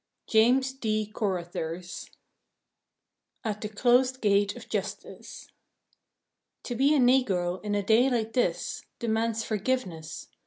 James D. Corrothers AT THE CLOSED GATE OF JUSTICE To be a Negro in a day like this Demands forgiveness.